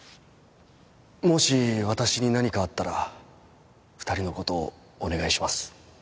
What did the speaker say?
もし私に何かあったら２人のことをお願いします